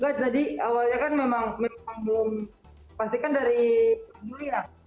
tadi awalnya kan memang belum pastikan dari dulu ya